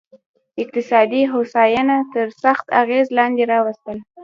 اقتصادي هوساینه تر سخت اغېز لاندې راوستل.